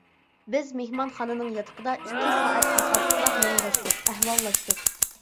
بىز مېھمانخانىنىڭ ياتىقىدا ئىككى سائەتتىن ئارتۇقراق مۇڭداشتۇق، ئەھۋاللاشتۇق.